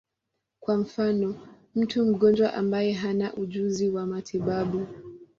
Kwa mfano, mtu mgonjwa ambaye hana ujuzi wa matibabu.